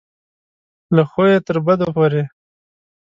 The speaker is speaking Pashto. له ښو یې تر بدو پورې.